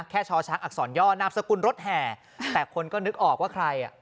ช้อช้างอักษรย่อนามสกุลรถแห่แต่คนก็นึกออกว่าใครอ่ะ